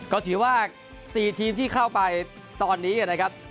ก็ถือว่า๔ทีมที่เข้าไปตอนนี้นะครับ